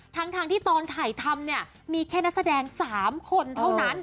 ทั้งที่ตอนถ่ายทำเนี่ยมีแค่นักแสดง๓คนเท่านั้น